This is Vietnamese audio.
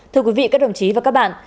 thưa quý vị các đồng chí và các bạn